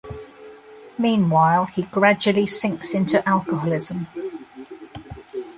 Meanwhile, he gradually sinks into alcoholism.